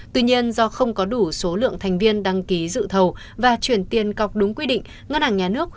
tuy nhiên do không có đủ số lượng thành viên đăng ký dự thầu và chuyển tiên cọc đúng quy định